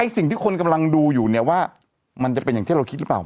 สิ่งที่คนกำลังดูอยู่เนี่ยว่ามันจะเป็นอย่างที่เราคิดหรือเปล่า